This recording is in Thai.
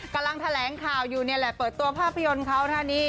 กำลังแถลงข่าวอยู่นี่แหละเปิดตัวภาพยนตร์เขาท่านี้